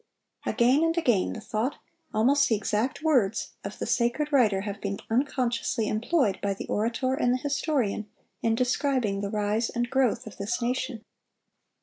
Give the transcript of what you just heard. Again and again the thought, almost the exact words, of the sacred writer have been unconsciously employed by the orator and the historian in describing the rise and growth of this nation.